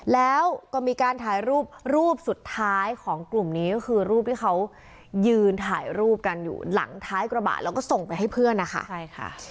แล้วก็มีการถ่ายรูปรูปสุดท้ายของกลุ่มนี้ก็คือรูปที่เขายืนถ่ายรูปกันอยู่หลังท้ายกระบะแล้วก็ส่งไปให้เพื่อนนะคะใช่ค่ะ